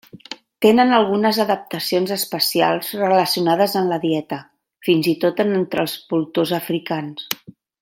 Tenen algunes adaptacions especials relacionades en la dieta, fins i tot entre els voltors africans.